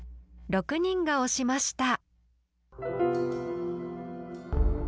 ６人が推しました。